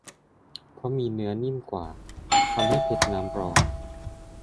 เพราะมีเนื้อนิ่มกว่า ทำให้เพชรน้ำรอง